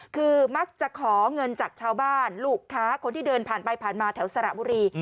คือมักจะขอเงินจากชาวบ้านลูกค้าคนที่เดินผ่านไปผ่านมาแถวสระบุรี